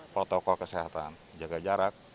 protokol kesehatan jaga jarak